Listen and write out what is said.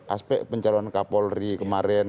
aspek pencalon kapolri kemarin